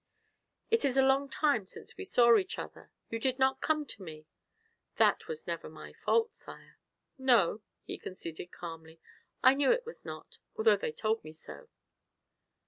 "It is a long time since we saw each other; you did not come to me " "That was never my fault, sire." "No," he conceded calmly. "I knew it was not, although they told me so."